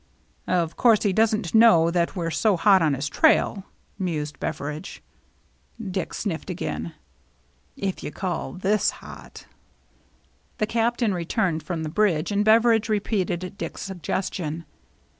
" Of course, he doesn't know that we're so hot on his trail," mused Beveridge. Dick sniflFed again. "If you call this hot." The Captain returned from the bridge, and Beveridge repeated Dick's suggestion.